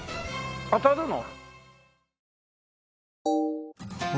当たるの？